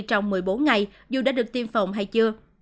trong một mươi bốn ngày dù đã được tiêm phòng hay chưa